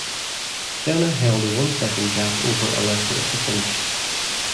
Senna held a one-second gap over Alesi at the finish.